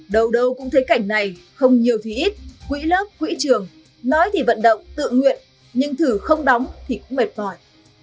đâu đâu cũng thấy cảnh này không nhiều thì ít quỹ lớp quỹ trường nói thì vận động tự nguyện nhưng thử không đóng thì cũng mệt mỏi